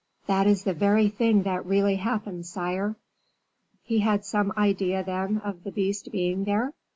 "That is the very thing that really happened, sire." "He had some idea, then, of the beast being there?"